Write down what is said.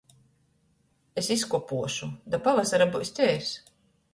Es izkopuošu, da pavasara byus teirs.